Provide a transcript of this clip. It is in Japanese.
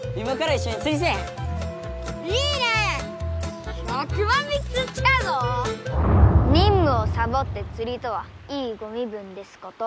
にんむをさぼってつりとはいいご身分ですこと。